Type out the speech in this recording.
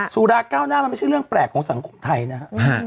สุราเก้าหน้ามันไม่ใช่เรื่องแปลกของสังคมไทยนะครับ